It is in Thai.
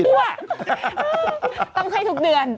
ต้องให้ทุกเดือน